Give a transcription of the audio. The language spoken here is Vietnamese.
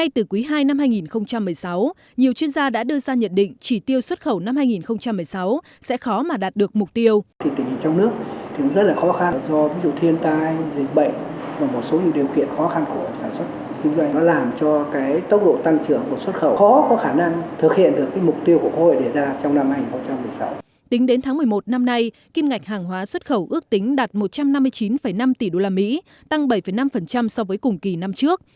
tính đến tháng một mươi một năm nay kim ngạch hàng hóa xuất khẩu ước tính đạt một trăm năm mươi chín năm tỷ usd tăng bảy năm so với cùng kỳ năm trước